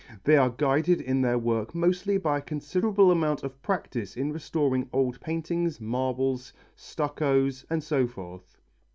They are guided in their work mostly by a considerable amount of practice in restoring old paintings, marbles, stuccoes, and so forth.